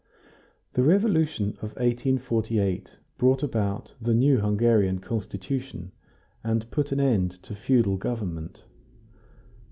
The revolution of 1848 brought about the new Hungarian Constitution, and put an end to feudal government.